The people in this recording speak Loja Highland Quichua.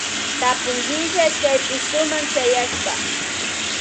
Tapunkilla Chay pushtuma chayaspa.